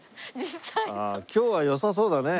今日は良さそうだね。